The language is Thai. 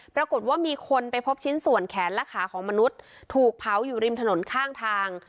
ปรากฏว่ามีคนไปพบชิ้นส่วนแขนและขาของมนุษย์ถูกเผาอยู่ริมถนนข้างทาง